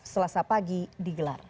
selasa pagi di gelangga